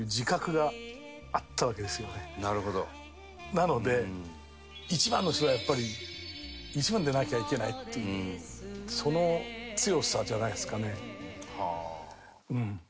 なので一番の人はやっぱり一番でなきゃいけないっていうその強さじゃないですかね。